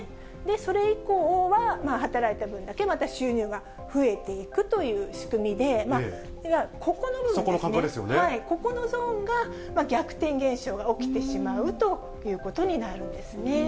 それ以降は働いた分だけまた収入が増えていくという仕組みで、ここの部分ですね、ここのゾーンが、逆転現象が起きてしまうということになるんですね。